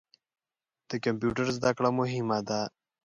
د کمپیوټر زده کړه مهمه ده.